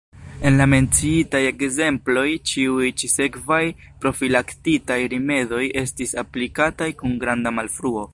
En la menciitaj ekzemploj ĉiuj ĉi-sekvaj profilaktikaj rimedoj estis aplikataj kun granda malfruo.